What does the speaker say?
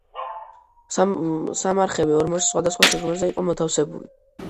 სამარხები ორმოში სხვადასხვა სიღრმეზე იყო მოთავსებული.